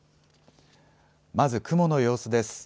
まず雲の様子です。